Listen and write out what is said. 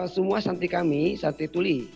semua santri kami santri tuli